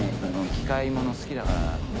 機械物好きだから。